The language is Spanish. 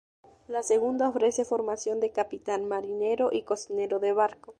La segunda ofrece formación de capitán, marinero y cocinero de barco.